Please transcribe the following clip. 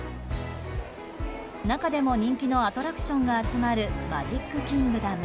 中でも人気のアトラクションが集まるマジックキングダム。